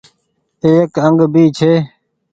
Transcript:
ايڪ انگ ڀي ڇي۔